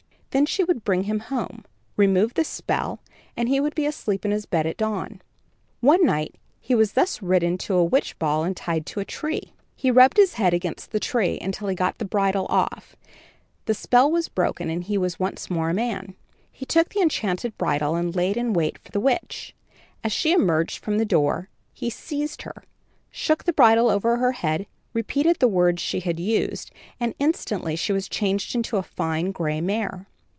Then she would bring him home, remove the spell, and he would be asleep in bed at dawn. One night he was thus ridden to a witch ball and tied to a tree. He rubbed his head against the tree until he got the bridle off, the spell was broken and he was once more a man. He took the enchanted bridle and laid in wait for the witch. As she emerged from the door, he seized her, shook the bridle over her head, repeated the words she had used, and instantly she was changed into a fine gray mare.